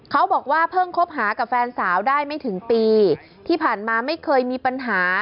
เขาบอกว่าเพิ่งคบหากับแฟนสาวได้ไม่ถึงปีที่ผ่านมาไม่เคยมีปัญหา